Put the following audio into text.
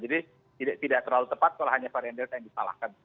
tidak terlalu tepat kalau hanya varian delta yang disalahkan